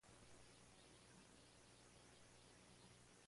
Es un orador solicitado en los talleres.